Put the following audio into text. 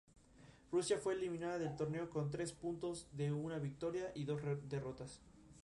Su producción alcanza a más de un centenar de composiciones.